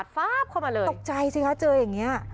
ตงใจสิคะเจอแบบนี้